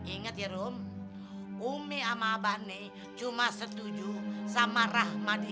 ingat ya rom umi sama abah nih cuma setuju sama rahmadi esa